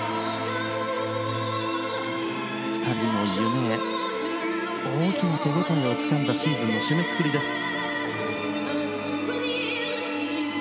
２人の夢へ大きな手応えをつかんだシーズンの締めくくりです。